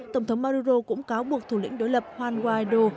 tổng thống maduro cũng cáo buộc thủ lĩnh đối lập jan guaido